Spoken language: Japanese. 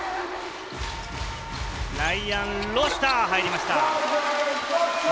ライアン・ロシター、入りました。